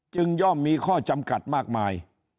ย่อมมีข้อจำกัดมากมาย